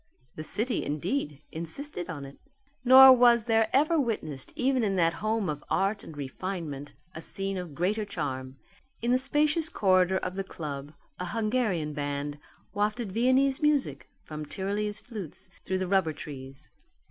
The city, indeed, insisted on it. Nor was there ever witnessed even in that home of art and refinement a scene of greater charm. In the spacious corridor of the club a Hungarian band wafted Viennese music from Tyrolese flutes through the rubber trees.